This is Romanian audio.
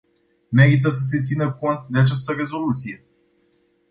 Merită să se țină cont de această rezoluție.